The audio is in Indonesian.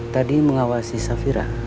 tadi mengawasi safira